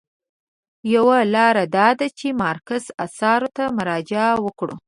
یوه لاره دا ده چې د مارکس اثارو ته مراجعه وکړو.